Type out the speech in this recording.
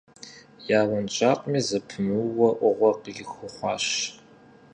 Я уэнжакъми зэпымыууэ Ӏугъуэ къриху хъуащ.